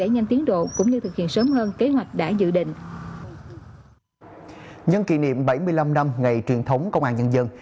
nhân kỷ niệm bảy mươi năm năm ngày truyền thống công an nhân dân